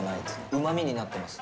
うまみになってます。